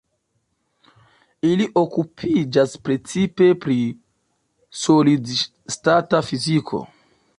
Li okupiĝas precipe pri solid-stata fiziko.